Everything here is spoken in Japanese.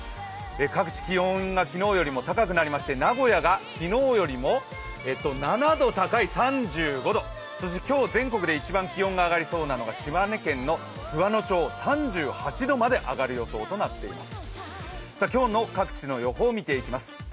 各地、気温が昨日よりも高くなりまして名古屋が昨日よりも７度高い３５度、そして今日、全国で一番気温が上がりそうなのが島根県の津和野町、３８度まで上がる予想となっています。